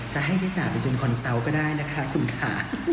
จะให้พี่จ๋าไปชนคอนเซาต์ก็ได้นะคะคุณค่ะ